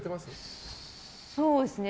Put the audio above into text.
そうですね。